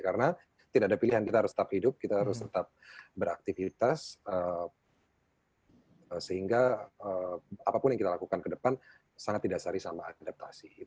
karena tidak ada pilihan kita harus tetap hidup kita harus tetap beraktivitas sehingga apapun yang kita lakukan kedepan sangat didasari sama adaptasi